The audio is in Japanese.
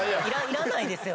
いらないですよ。